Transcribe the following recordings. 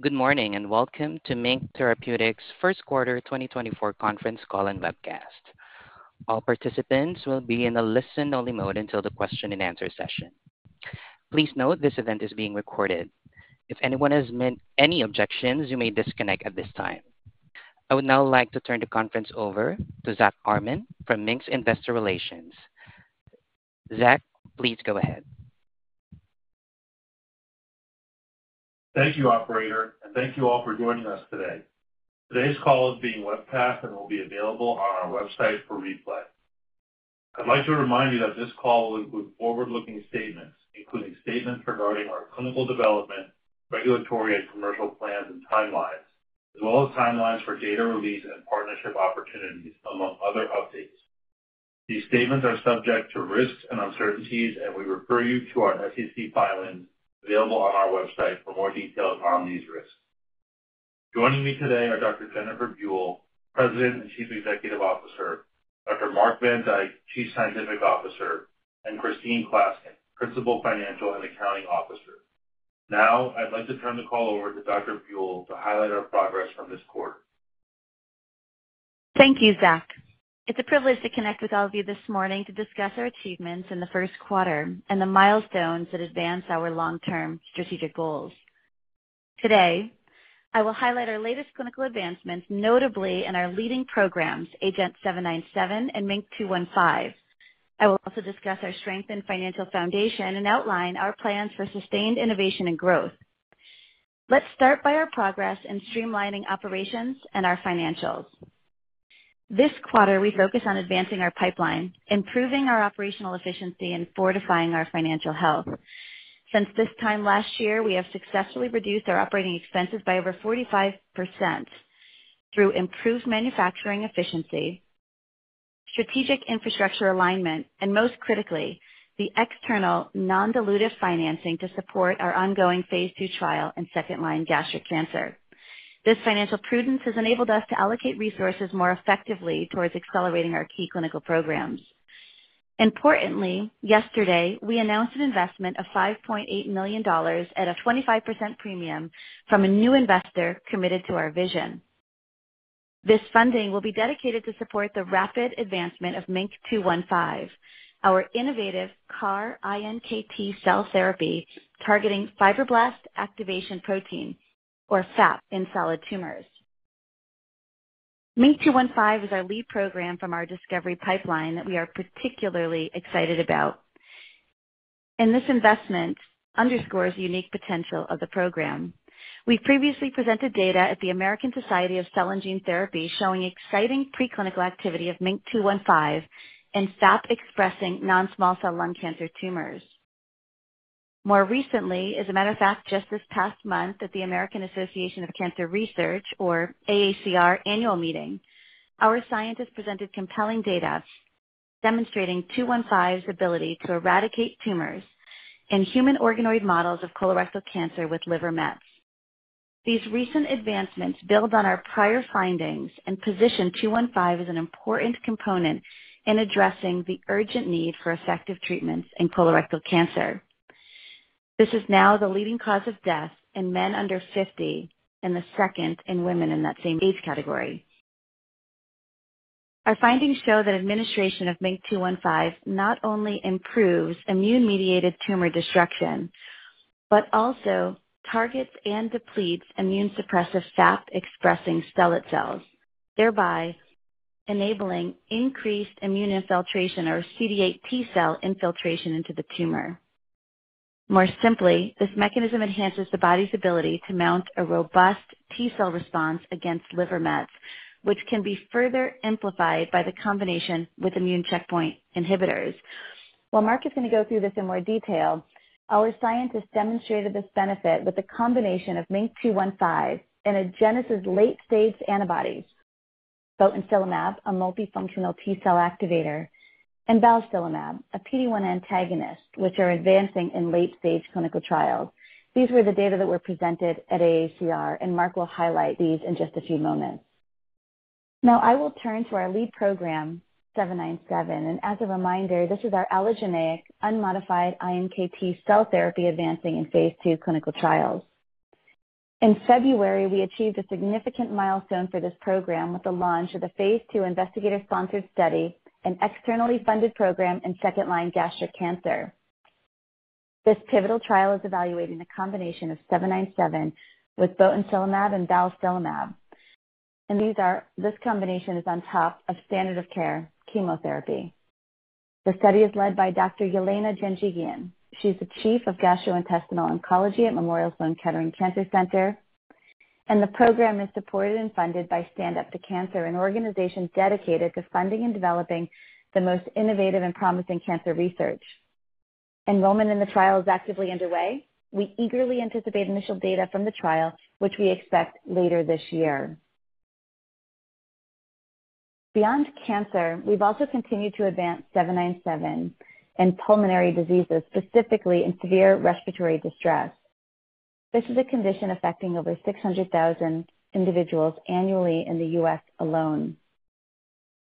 Good morning, and welcome to MiNK Therapeutics' First Quarter 2024 conference call and webcast. All participants will be in a listen-only mode until the question-and-answer session. Please note, this event is being recorded. If anyone has any objections, you may disconnect at this time. I would now like to turn the conference over to Zack Armen from MiNK's Investor Relations. Zack, please go ahead. Thank you, operator, and thank you all for joining us today. Today's call is being webcast and will be available on our website for replay. I'd like to remind you that this call will include forward-looking statements, including statements regarding our clinical development, regulatory and commercial plans and timelines, as well as timelines for data release and partnership opportunities, among other updates. These statements are subject to risks and uncertainties, and we refer you to our SEC filings, available on our website, for more details on these risks. Joining me today are Dr. Jennifer Buell, President and Chief Executive Officer. Dr. Mark van Dijk, Chief Scientific Officer. And Christine Klaskin, Principal Financial and Accounting Officer. Now, I'd like to turn the call over to Dr. Buell to highlight our progress from this quarter. Thank you, Zack. It's a privilege to connect with all of you this morning to discuss our achievements in the first quarter and the milestones that advance our long-term strategic goals. Today, I will highlight our latest clinical advancements, notably in our leading programs, AGENT-797 and MiNK-215. I will also discuss our strengthened financial foundation and outline our plans for sustained innovation and growth. Let's start by our progress in streamlining operations and our financials. This quarter, we focused on advancing our pipeline, improving our operational efficiency, and fortifying our financial health. Since this time last year, we have successfully reduced our operating expenses by over 45% through improved manufacturing efficiency, strategic infrastructure alignment, and most critically, the external non-dilutive financing to support our ongoing phase II trial in second-line gastric cancer. This financial prudence has enabled us to allocate resources more effectively towards accelerating our key clinical programs. Importantly, yesterday, we announced an investment of $5.8 million at a 25% premium from a new investor committed to our vision. This funding will be dedicated to support the rapid advancement of MiNK-215, our innovative CAR-iNKT cell therapy, targeting fibroblast activation protein, or FAP, in solid tumors. MiNK-215 is our lead program from our discovery pipeline that we are particularly excited about, and this investment underscores the unique potential of the program. We previously presented data at the American Society of Cell and Gene Therapy showing exciting preclinical activity of MiNK-215 in FAP-expressing non-small cell lung cancer tumors. More recently, as a matter of fact, just this past month at the American Association of Cancer Research, or AACR, annual meeting, our scientists presented compelling data demonstrating 215's ability to eradicate tumors in human organoid models of colorectal cancer with liver mets. These recent advancements build on our prior findings and position 215 as an important component in addressing the urgent need for effective treatments in colorectal cancer. This is now the leading cause of death in men under 50 and the second in women in that same age category. Our findings show that administration of MiNK-215 not only improves immune-mediated tumor destruction, but also targets and depletes immune-suppressive FAP-expressing stellate cells, thereby enabling increased immune infiltration or CD8 T-cell infiltration into the tumor. More simply, this mechanism enhances the body's ability to mount a robust T-cell response against liver mets, which can be further amplified by the combination with immune checkpoint inhibitors. While Mark is going to go through this in more detail, our scientists demonstrated this benefit with a combination of MINC215 and Agenus' late-stage antibodies, botensilimab, a multifunctional T-cell activator, and balstilimab, a PD-1 antagonist, which are advancing in late-stage clinical trials. These were the data that were presented at AACR, and Mark will highlight these in just a few moments. Now, I will turn to our lead program, AGENT-797, and as a reminder, this is our allogeneic, unmodified iNKT cell therapy advancing in phase II clinical trials. In February, we achieved a significant milestone for this program with the launch of the phase II investigator-sponsored study, an externally funded program in second-line gastric cancer. This pivotal trial is evaluating a combination of 797 with botensilimab and balstilimab, and this combination is on top of standard of care chemotherapy. The study is led by Dr. Yelena Janjigian. She's the chief of gastrointestinal oncology at Memorial Sloan Kettering Cancer Center, and the program is supported and funded by Stand Up To Cancer, an organization dedicated to funding and developing the most innovative and promising cancer research. Enrollment in the trial is actively underway. We eagerly anticipate initial data from the trial, which we expect later this year. Beyond cancer, we've also continued to advance 797 in pulmonary diseases, specifically in severe respiratory distress. This is a condition affecting over 600,000 individuals annually in the U.S. alone...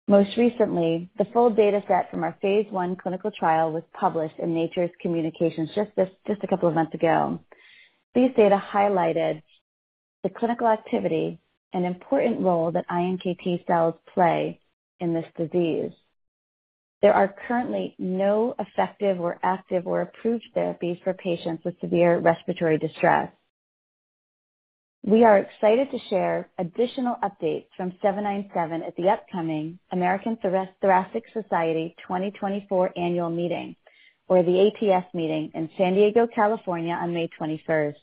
Most recently, the full data set from our phase 1 clinical trial was published in Nature Communications just a couple of months ago. These data highlighted the clinical activity and important role that iNKT cells play in this disease. There are currently no effective or active or approved therapies for patients with severe respiratory distress. We are excited to share additional updates from 797 at the upcoming American Thoracic Society 2024 annual meeting, or the ATS meeting in San Diego, California, on May 21.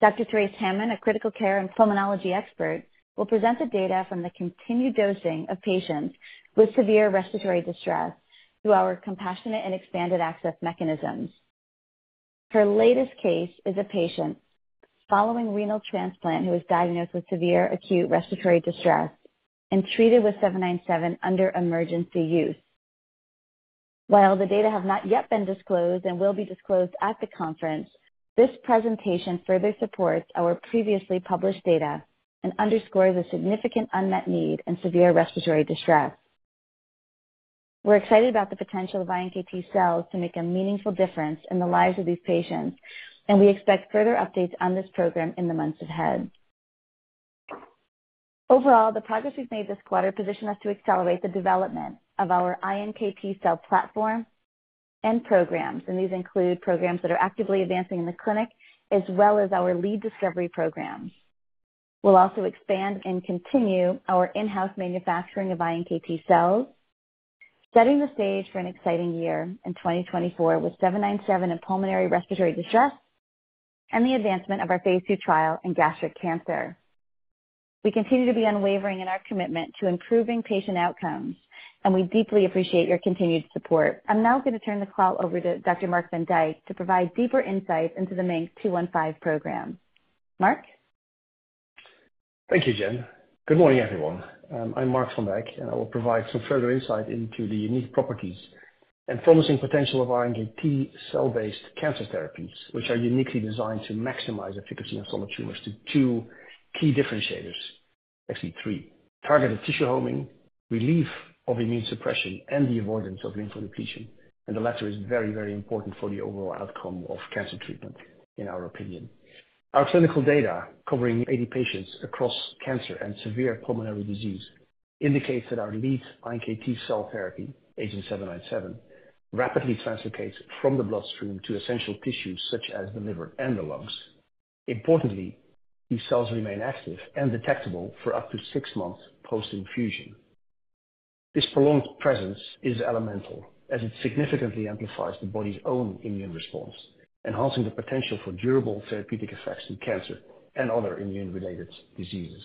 Dr. Therese Hammond, a critical care and pulmonology expert, will present the data from the continued dosing of patients with severe respiratory distress through our compassionate and expanded access mechanisms. Her latest case is a patient following renal transplant, who was diagnosed with severe acute respiratory distress and treated with AGENT-797 under emergency use. While the data have not yet been disclosed and will be disclosed at the conference, this presentation further supports our previously published data and underscores a significant unmet need in severe respiratory distress. We're excited about the potential of iNKT cells to make a meaningful difference in the lives of these patients, and we expect further updates on this program in the months ahead. Overall, the progress we've made this quarter positions us to accelerate the development of our iNKT cell platform and programs, and these include programs that are actively advancing in the clinic, as well as our lead discovery programs. We'll also expand and continue our in-house manufacturing of iNKT cells, setting the stage for an exciting year in 2024, with 797 in pulmonary respiratory distress and the advancement of our phase 2 trial in gastric cancer. We continue to be unwavering in our commitment to improving patient outcomes, and we deeply appreciate your continued support. I'm now going to turn the call over to Dr. Mark van Dijk to provide deeper insights into the MiNK-215 program. Mark? Thank you, Jen. Good morning, everyone. I'm Mark van Dijk, and I will provide some further insight into the unique properties and promising potential of iNKT cell-based cancer therapies, which are uniquely designed to maximize efficacy in solid tumors to two key differentiators, actually three: targeted tissue homing, relief of immune suppression, and the avoidance of lymphodepletion. The latter is very, very important for the overall outcome of cancer treatment, in our opinion. Our clinical data, covering 80 patients across cancer and severe pulmonary disease, indicates that our lead iNKT cell therapy, AGENT-797, rapidly translocates from the bloodstream to essential tissues such as the liver and the lungs. Importantly, these cells remain active and detectable for up to 6 months post-infusion. This prolonged presence is elemental as it significantly amplifies the body's own immune response, enhancing the potential for durable therapeutic effects in cancer and other immune-related diseases.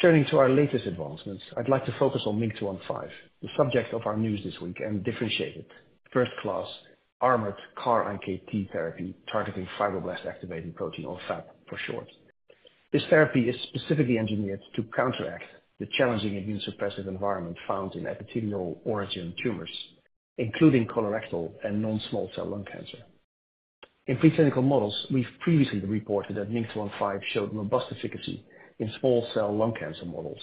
Turning to our latest advancements, I'd like to focus on MiNK-215, the subject of our news this week, and differentiate it. First-class armored CAR-iNKT therapy targeting fibroblast activation protein, or FAP for short. This therapy is specifically engineered to counteract the challenging immune suppressive environment found in epithelial origin tumors, including colorectal and non-small cell lung cancer. In preclinical models, we've previously reported that MiNK-215 showed robust efficacy in small cell lung cancer models,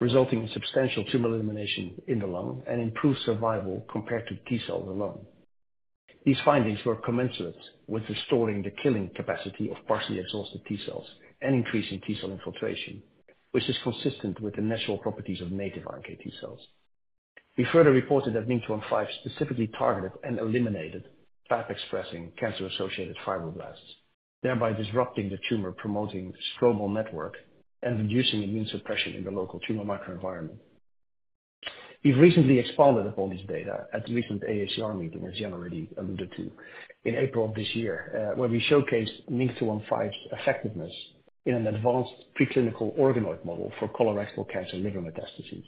resulting in substantial tumor elimination in the lung and improved survival compared to T-cells alone. These findings were commensurate with restoring the killing capacity of partially exhausted T-cells and increasing T-cell infiltration, which is consistent with the natural properties of native iNKT cells. We further reported that MiNK-215 specifically targeted and eliminated FAP-expressing cancer-associated fibroblasts, thereby disrupting the tumor-promoting stromal network, and reducing immune suppression in the local tumor microenvironment. We've recently expanded upon this data at the recent AACR meeting, as Jen already alluded to in April of this year, where we showcased MiNK-215's effectiveness in an advanced preclinical organoid model for colorectal cancer and liver metastases.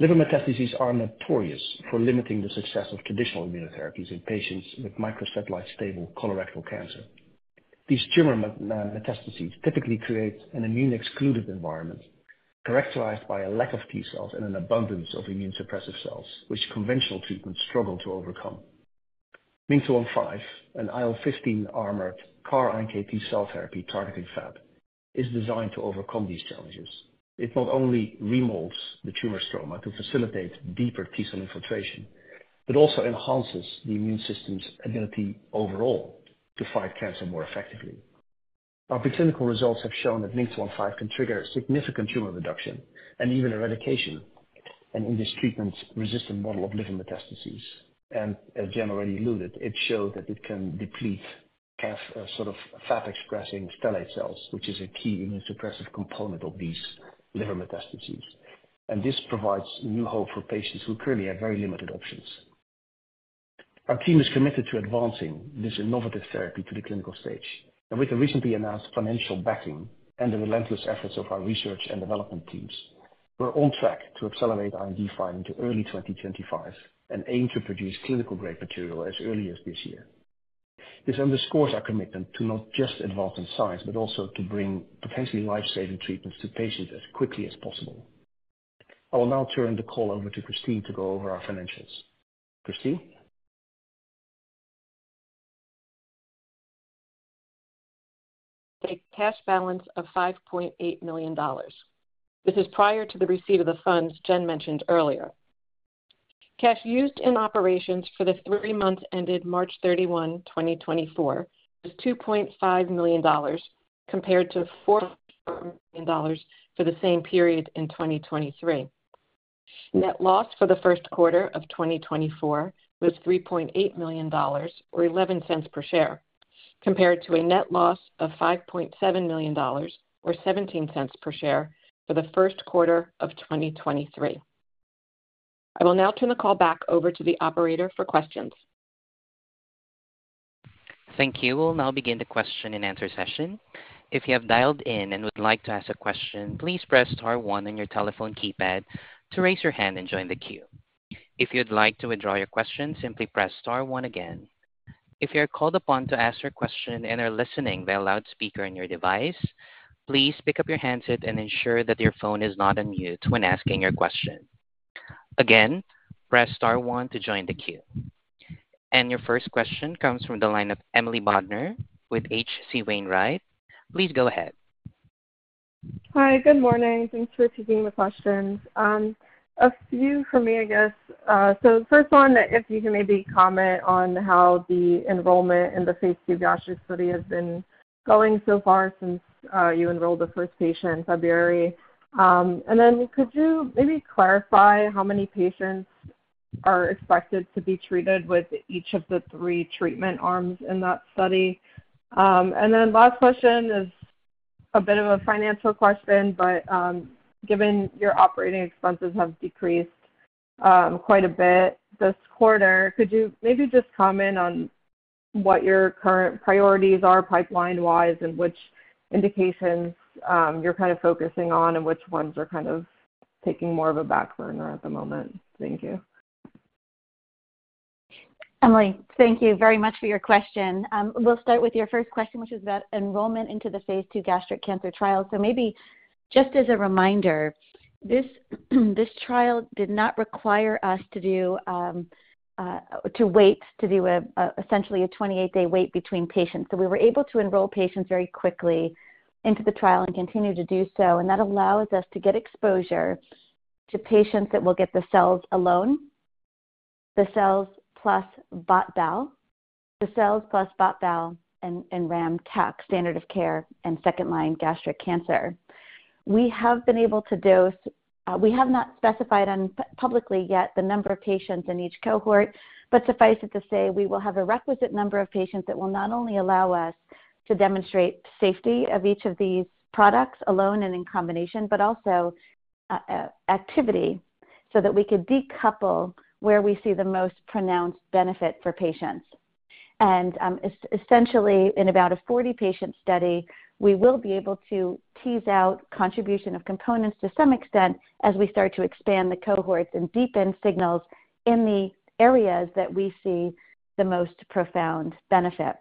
Liver metastases are notorious for limiting the success of traditional immunotherapies in patients with microsatellite stable colorectal cancer. These tumor metastases typically create an immune-excluded environment characterized by a lack of T-cells and an abundance of immune suppressive cells, which conventional treatments struggle to overcome. MiNK-215, an IL-15 armored CAR-iNKT cell therapy targeting FAP, is designed to overcome these challenges. It not only remolds the tumor stroma to facilitate deeper T-cell infiltration, but also enhances the immune system's ability overall to fight cancer more effectively. Our preclinical results have shown that MiNK-215 can trigger significant tumor reduction and even an eradication in this treatment-resistant model of liver metastases. As Jen already alluded, it showed that it can deplete FAP-expressing stellate cells, which is a key immunosuppressive component of these liver metastases. This provides new hope for patients who currently have very limited options. Our team is committed to advancing this innovative therapy to the clinical stage, and with the recently announced financial backing and the relentless efforts of our research and development teams, we're on track to accelerate our IND filing to early 2025 and aim to produce clinical-grade material as early as this year. This underscores our commitment to not just advance in science, but also to bring potentially life-saving treatments to patients as quickly as possible. I will now turn the call over to Christine to go over our financials. Christine?... a cash balance of $5.8 million. This is prior to the receipt of the funds Jen mentioned earlier. Cash used in operations for the three months ended March 31, 2024, was $2.5 million, compared to $4 million for the same period in 2023. Net loss for the first quarter of 2024 was $3.8 million, or $0.11 per share, compared to a net loss of $5.7 million, or $0.17 per share for the first quarter of 2023. I will now turn the call back over to the operator for questions. Thank you. We'll now begin the question-and-answer session. If you have dialed in and would like to ask a question, please press star one on your telephone keypad to raise your hand and join the queue. If you'd like to withdraw your question, simply press star one again. If you're called upon to ask your question and are listening via loudspeaker on your device, please pick up your handset and ensure that your phone is not on mute when asking your question. Again, press star one to join the queue. Your first question comes from the line of Emily Bodnar with H.C. Wainwright. Please go ahead. Hi, good morning. Thanks for taking the questions. A few for me, I guess. So first one, if you can maybe comment on how the enrollment in the phase two gastric study has been going so far since you enrolled the first patient in February? And then could you maybe clarify how many patients are expected to be treated with each of the three treatment arms in that study? And then last question is a bit of a financial question, but given your operating expenses have decreased quite a bit this quarter, could you maybe just comment on what your current priorities are pipeline-wise, and which indications you're kind of focusing on and which ones are kind of taking more of a back burner at the moment? Thank you. Emily, thank you very much for your question. We'll start with your first question, which is about enrollment into the phase 2 gastric cancer trial. So maybe just as a reminder, this trial did not require us to do essentially a 28-day wait between patients. So we were able to enroll patients very quickly into the trial and continue to do so. And that allows us to get exposure to patients that will get the cells alone, the cells plus bot/bal, the cells plus bot/bal and ram tac, standard of care in second-line gastric cancer. We have been able to dose... We have not specified publicly yet the number of patients in each cohort, but suffice it to say, we will have a requisite number of patients that will not only allow us to demonstrate safety of each of these products alone and in combination, but also activity, so that we could decouple where we see the most pronounced benefit for patients. Essentially, in about a 40-patient study, we will be able to tease out contribution of components to some extent, as we start to expand the cohorts and deepen signals in the areas that we see the most profound benefit.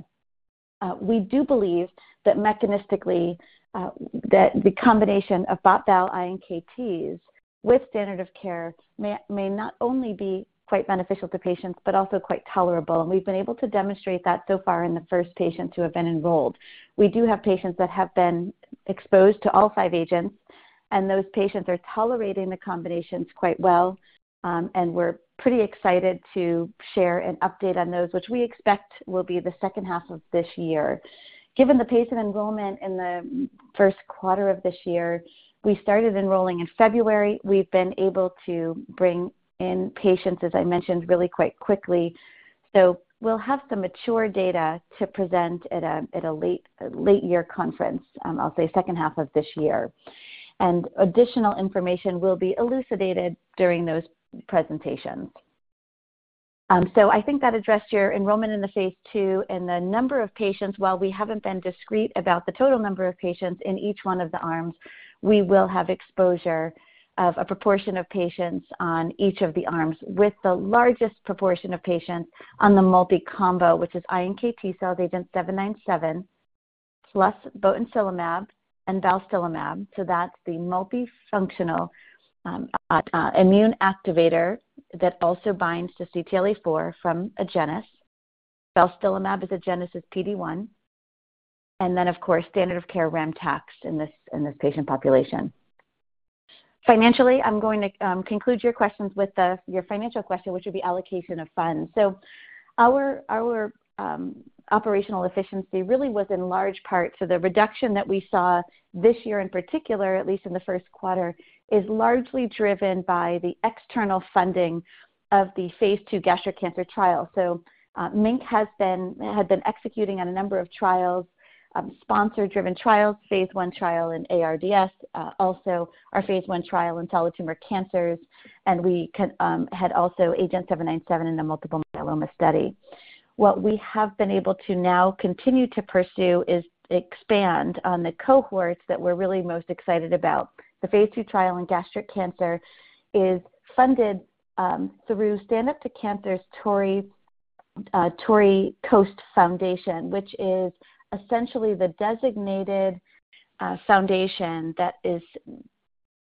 We do believe that mechanistically, that the combination of both CAR-iNKTs with standard of care may not only be quite beneficial to patients, but also quite tolerable. We've been able to demonstrate that so far in the first patients who have been enrolled. We do have patients that have been exposed to all five agents, and those patients are tolerating the combinations quite well. And we're pretty excited to share an update on those, which we expect will be the second half of this year. Given the pace of enrollment in the first quarter of this year, we started enrolling in February. We've been able to bring in patients, as I mentioned, really quite quickly. We'll have some mature data to present at a late-year conference, I'll say second half of this year. Additional information will be elucidated during those presentations. So I think that addressed your enrollment in the phase two and the number of patients. While we haven't been discreet about the total number of patients in each one of the arms, we will have exposure of a proportion of patients on each of the arms, with the largest proportion of patients on the multi-combo, which is iNKT cells, AGENT-797, plus botensilimab and balstilimab. So that's the multifunctional immune activator that also binds to CTLA-4 from Agenus. balstilimab is Agenus's PD-1, and then, of course, standard of care Ram/Pac in this, in this patient population. Financially, I'm going to conclude your questions with the, your financial question, which would be allocation of funds. So our, our, operational efficiency really was in large part to the reduction that we saw this year in particular, at least in the first quarter, is largely driven by the external funding of the phase 2 gastric cancer trial. So, Mink had been executing on a number of trials, sponsor-driven trials, phase 1 trial in ARDS, also our phase 1 trial in solid tumor cancers, and we had also AGENT-797 in the multiple myeloma study. What we have been able to now continue to pursue is expand on the cohorts that we're really most excited about. The phase 2 trial in gastric cancer is funded through Stand Up to Cancer's Torrey Coast Foundation, which is essentially the designated foundation that is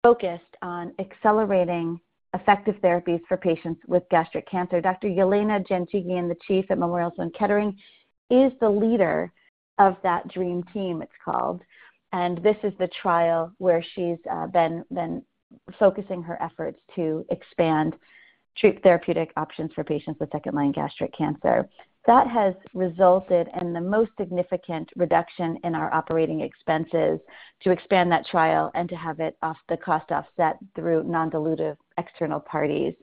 focused on accelerating effective therapies for patients with gastric cancer. Dr. Yelena Janjigian, the chief at Memorial Sloan Kettering, is the leader of that dream team, it's called. This is the trial where she's been focusing her efforts to expand therapeutic options for patients with second-line gastric cancer. That has resulted in the most significant reduction in our operating expenses to expand that trial and to have the cost offset through non-dilutive external parties.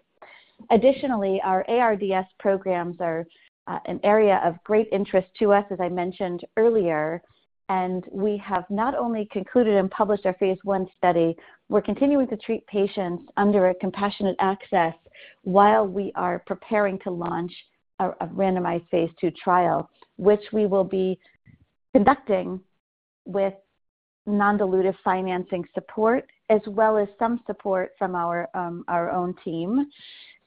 Additionally, our ARDS programs are an area of great interest to us, as I mentioned earlier, and we have not only concluded and published our phase 1 study, we're continuing to treat patients under a compassionate access while we are preparing to launch a randomized phase 2 trial, which we will be conducting with non-dilutive financing support, as well as some support from our own team.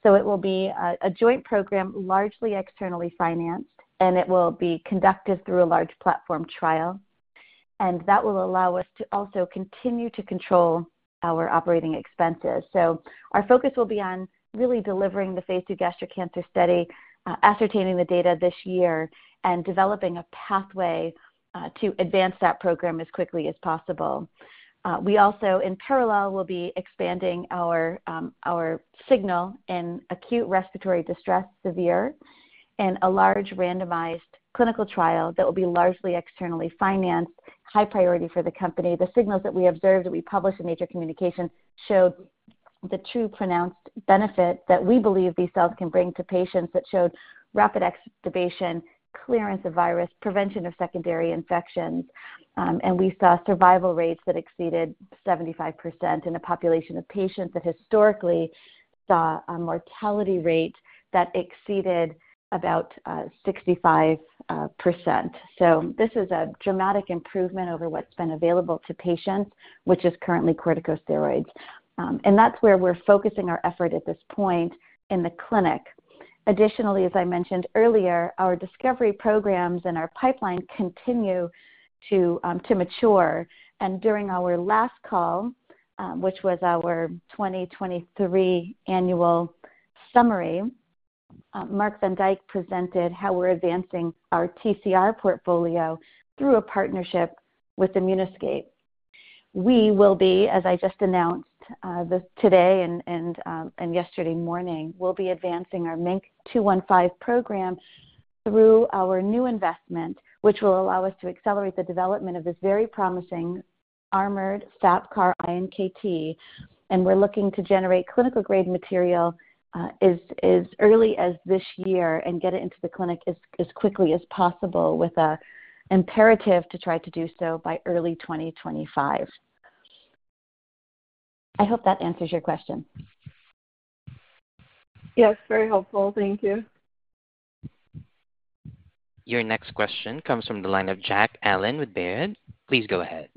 So it will be a joint program, largely externally financed, and it will be conducted through a large platform trial. That will allow us to also continue to control our operating expenses. So our focus will be on really delivering the phase 2 gastric cancer study, ascertaining the data this year, and developing a pathway to advance that program as quickly as possible. We also, in parallel, will be expanding our signal in acute respiratory distress, severe, and a large randomized clinical trial that will be largely externally financed, high priority for the company. The signals that we observed, that we published in major communications, showed the true pronounced benefit that we believe these cells can bring to patients. That showed rapid exacerbation, clearance of virus, prevention of secondary infections, and we saw survival rates that exceeded 75% in a population of patients that historically saw a mortality rate that exceeded about 65%. So this is a dramatic improvement over what's been available to patients, which is currently corticosteroids. That's where we're focusing our effort at this point in the clinic. Additionally, as I mentioned earlier, our discovery programs and our pipeline continue to mature. During our last call, which was our 2023 annual summary, Mark van Dijk presented how we're advancing our TCR portfolio through a partnership with Immunoscape. We will be, as I just announced today and yesterday morning, advancing our MINC215 program through our new investment, which will allow us to accelerate the development of this very promising armored FAP CAR-iNKT, and we're looking to generate clinical-grade material as early as this year and get it into the clinic as quickly as possible, with an imperative to try to do so by early 2025. I hope that answers your question. Yes, very helpful. Thank you. Your next question comes from the line of Jack Allen with Baird. Please go ahead.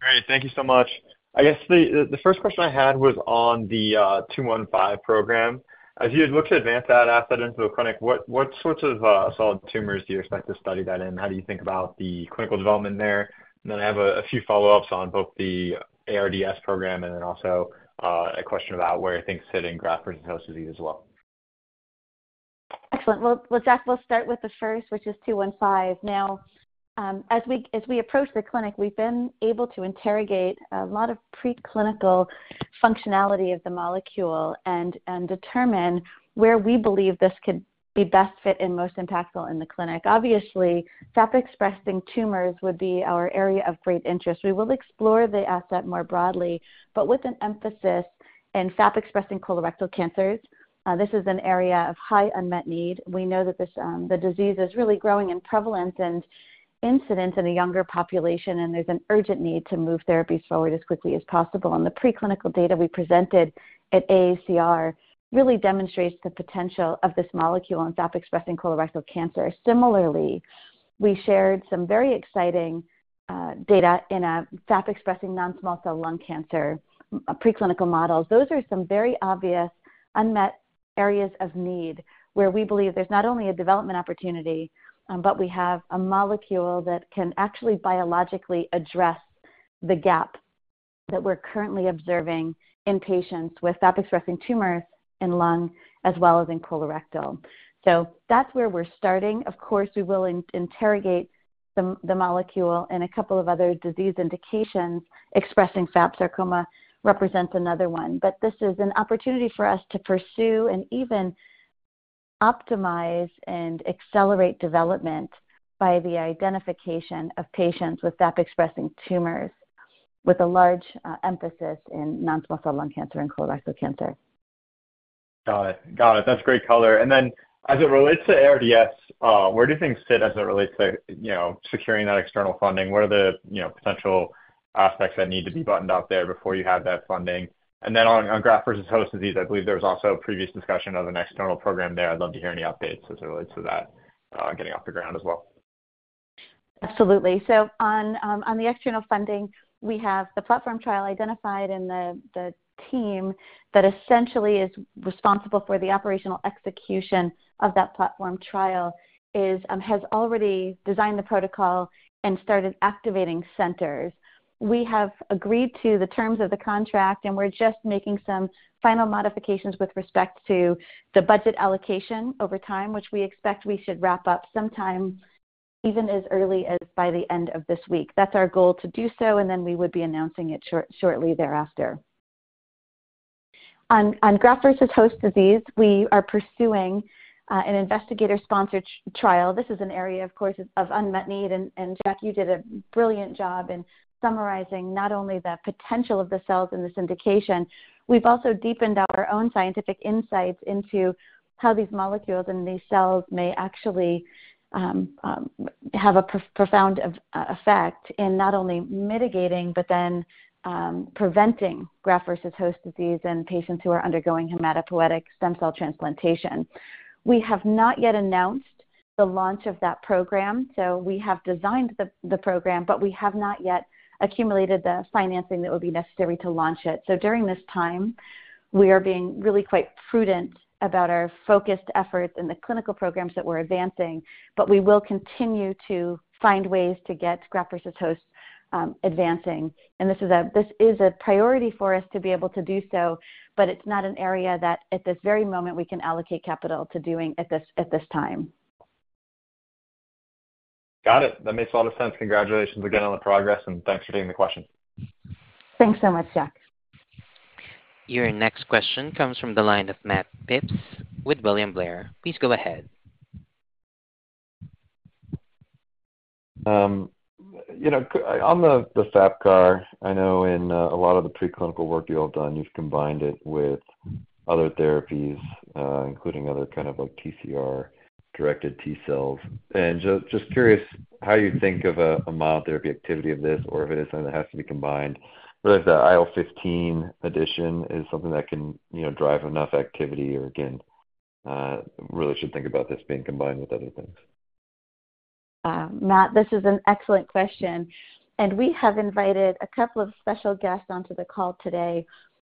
Great. Thank you so much. I guess the first question I had was on the MINC215 program. As you had looked to advance that asset into a clinic, what sorts of solid tumors do you expect to study that in? How do you think about the clinical development there? And then I have a few follow-ups on both the ARDS program and then also a question about where things sit in graft versus host disease as well. Excellent. Well, well, Jack, we'll start with the first, which is 215. Now, as we approach the clinic, we've been able to interrogate a lot of preclinical functionality of the molecule and determine where we believe this could be best fit and most impactful in the clinic. Obviously, FAP-expressing tumors would be our area of great interest. We will explore the asset more broadly, but with an emphasis in FAP-expressing colorectal cancers. This is an area of high unmet need. We know that this, the disease is really growing in prevalence and incidence in a younger population, and there's an urgent need to move therapies forward as quickly as possible. The preclinical data we presented at ACR really demonstrates the potential of this molecule on FAP-expressing colorectal cancer. Similarly, we shared some very exciting data in a FAP-expressing non-small cell lung cancer preclinical models. Those are some very obvious unmet areas of need, where we believe there's not only a development opportunity, but we have a molecule that can actually biologically address the gap that we're currently observing in patients with FAP-expressing tumors in lung as well as in colorectal. So that's where we're starting. Of course, we will interrogate the molecule in a couple of other disease indications. FAP-expressing sarcoma represents another one, but this is an opportunity for us to pursue and even optimize and accelerate development by the identification of patients with FAP-expressing tumors, with a large emphasis in non-small cell lung cancer and colorectal cancer. Got it. Got it. That's great color. And then as it relates to ARDS, where do things sit as it relates to, you know, securing that external funding? What are the, you know, potential aspects that need to be buttoned up there before you have that funding? And then on graft versus host disease, I believe there was also a previous discussion of an external program there. I'd love to hear any updates as it relates to that, getting off the ground as well.... Absolutely. So on the external funding, we have the platform trial identified, and the team that essentially is responsible for the operational execution of that platform trial is has already designed the protocol and started activating centers. We have agreed to the terms of the contract, and we're just making some final modifications with respect to the budget allocation over time, which we expect we should wrap up sometime, even as early as by the end of this week. That's our goal, to do so, and then we would be announcing it shortly thereafter. On graft versus host disease, we are pursuing an investigator-sponsored trial. This is an area, of course, of unmet need, and Jack, you did a brilliant job in summarizing not only the potential of the cells in this indication. We've also deepened our own scientific insights into how these molecules and these cells may actually have a profound effect in not only mitigating, but then preventing graft versus host disease in patients who are undergoing hematopoietic stem cell transplantation. We have not yet announced the launch of that program, so we have designed the program, but we have not yet accumulated the financing that would be necessary to launch it. So during this time, we are being really quite prudent about our focused efforts in the clinical programs that we're advancing, but we will continue to find ways to get graft versus host advancing. And this is a priority for us to be able to do so, but it's not an area that, at this very moment, we can allocate capital to doing at this time. Got it. That makes a lot of sense. Congratulations again on the progress, and thanks for taking the question. Thanks so much, Jack. Your next question comes from the line of Matt Phipps with William Blair. Please go ahead. You know, on the FAP-CAR, I know in a lot of the preclinical work you all done, you've combined it with other therapies, including other kind of like TCR-directed T-cells. And just curious how you think of a monotherapy activity of this, or if it is something that has to be combined, whether the IL-fifteen addition is something that can, you know, drive enough activity, or, again, really should think about this being combined with other things. Matt, this is an excellent question, and we have invited a couple of special guests onto the call today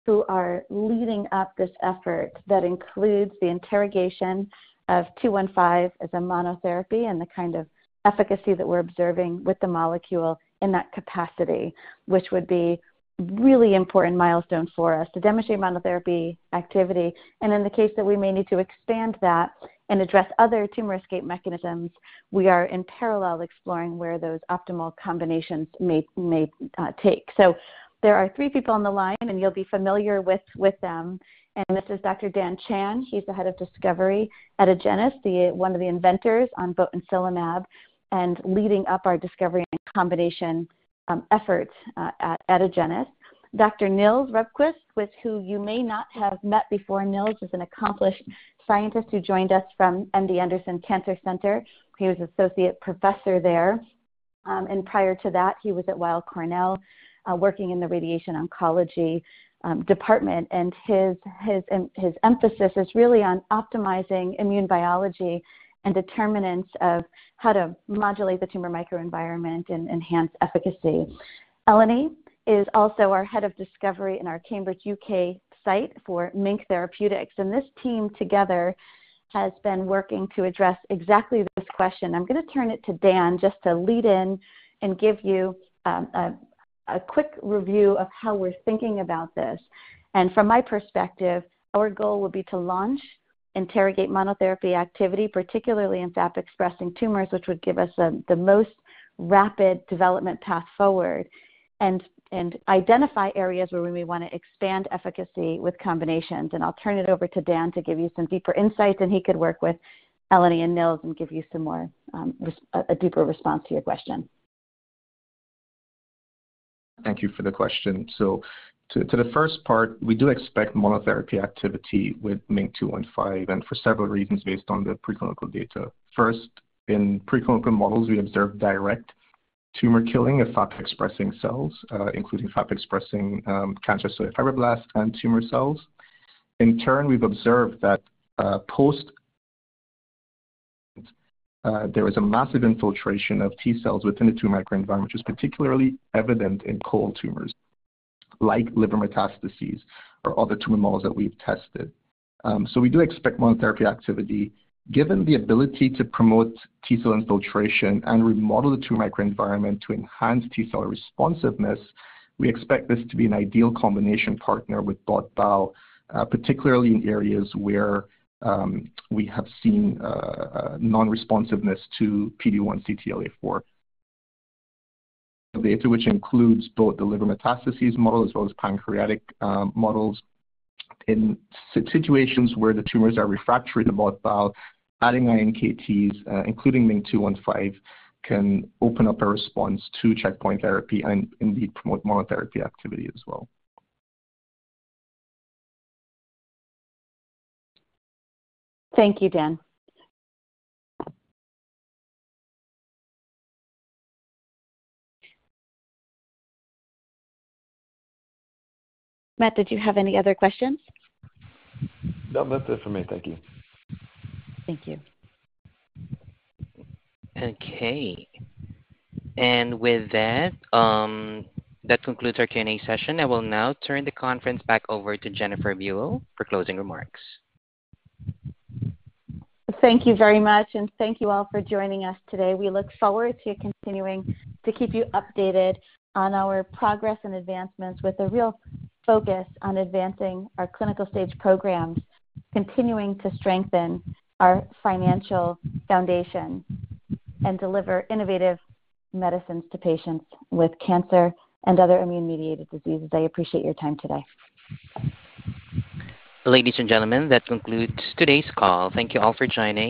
who are leading up this effort. That includes the interrogation of MINC215 as a monotherapy and the kind of efficacy that we're observing with the molecule in that capacity, which would be really important milestone for us to demonstrate monotherapy activity. In the case that we may need to expand that and address other tumor escape mechanisms, we are in parallel exploring where those optimal combinations may take. There are three people on the line, and you'll be familiar with them. This is Dr. Dhan Chand. He's the head of discovery at Agenus, the one of the inventors on botensilimab, and leading up our discovery and combination efforts at Agenus. Dr. Nils Rudqvist, with who you may not have met before. Nils is an accomplished scientist who joined us from MD Anderson Cancer Center. He was associate professor there. And prior to that, he was at Weill Cornell, working in the radiation oncology department. And his emphasis is really on optimizing immune biology and determinants of how to modulate the tumor microenvironment and enhance efficacy. Eleni is also our head of discovery in our Cambridge, U.K. site for MiNK Therapeutics, and this team together has been working to address exactly this question. I'm gonna turn it to Dan, just to lead in and give you a quick review of how we're thinking about this. And from my perspective, our goal will be to launch, interrogate monotherapy activity, particularly in Fab-expressing tumors, which would give us the most rapid development path forward, and identify areas where we may wanna expand efficacy with combinations. And I'll turn it over to Dan to give you some deeper insights, and he could work with Eleni and Nils and give you some more, deeper response to your question. Thank you for the question. So to the first part, we do expect monotherapy activity with MiNK-215, and for several reasons based on the preclinical data. First, in preclinical models, we observed direct tumor killing of FAP-expressing cells, including FAP-expressing, cancer-associated fibroblasts and tumor cells. In turn, we've observed that there is a massive infiltration of T-cells within the tumor microenvironment, which is particularly evident in cold tumors like liver metastases or other tumor models that we've tested. So we do expect monotherapy activity. Given the ability to promote T-cell infiltration and remodel the tumor microenvironment to enhance T-cell responsiveness, we expect this to be an ideal combination partner with bot/bal, particularly in areas where we have seen non-responsiveness to PD-1 CTLA-4. The data, which includes both the liver metastases model as well as pancreatic models. In situations where the tumors are refractory to bot/bal, adding iNKTs, including MiNK-215, can open up a response to checkpoint therapy and indeed promote monotherapy activity as well. Thank you, Dan. Matt, did you have any other questions? No, that's it for me. Thank you. Thank you. Okay. And with that, that concludes our Q&A session. I will now turn the conference back over to Jennifer Buell for closing remarks. Thank you very much, and thank you all for joining us today. We look forward to continuing to keep you updated on our progress and advancements, with a real focus on advancing our clinical stage programs, continuing to strengthen our financial foundation, and deliver innovative medicines to patients with cancer and other immune-mediated diseases. I appreciate your time today. Ladies and gentlemen, that concludes today's call. Thank you all for joining.